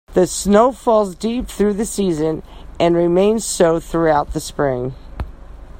The snow falls deep through the season, and remains so throughout the spring.